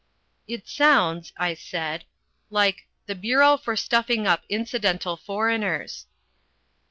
"It sounds," I said, "like the Bureau for Stuffing Up Incidental Foreigners."